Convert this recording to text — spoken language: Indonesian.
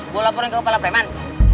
gue laporin ke kepala preman